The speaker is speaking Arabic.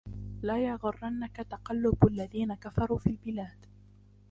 لا يغرنك تقلب الذين كفروا في البلاد